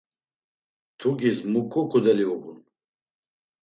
Mtugis muǩu ǩudeli uğun?